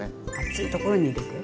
熱いところに入れて。